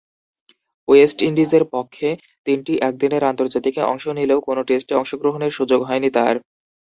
West ইন্ডিজের পক্ষে তিনটি একদিনের আন্তর্জাতিকে অংশ নিলেও কোন টেস্টে অংশগ্রহণের সুযোগ হয়নি তার।